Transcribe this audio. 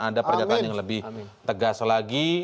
ada pernyataan yang lebih tegas lagi